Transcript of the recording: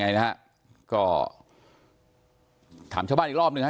นะฮะก็ถามชาวบ้านอีกรอบหนึ่งฮะ